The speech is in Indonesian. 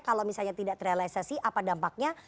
kalau misalnya tidak terrealisasi apa dampaknya